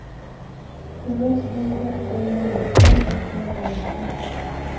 اولس دې هر ځاي نه لښکر لښکر راشي.